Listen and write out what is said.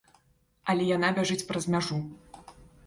Але яна бяжыць праз мяжу.